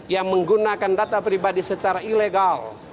yang menggunakan data pribadi secara ilegal